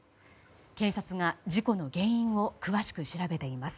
警察が事故の原因を詳しく調べています。